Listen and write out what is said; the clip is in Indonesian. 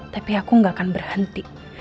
tapi aku gak akan berhenti